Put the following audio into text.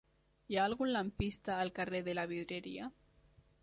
Hi ha algun lampista al carrer de la Vidrieria?